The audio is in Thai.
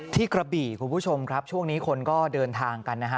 กระบี่คุณผู้ชมครับช่วงนี้คนก็เดินทางกันนะฮะ